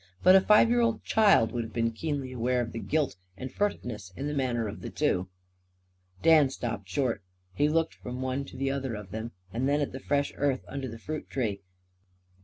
But a five year old child would have been keenly aware of the guilt and furtiveness in the manner of the two. Dan stopped short. He looked from one to the other of them; then at the fresh earth under the fruit tree.